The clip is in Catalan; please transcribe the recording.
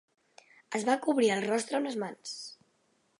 Es va cobrir el rostre amb les mans.